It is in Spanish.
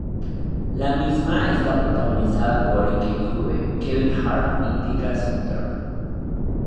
La misma está protagonizada por Ice Cube, Kevin Hart y Tika Sumpter.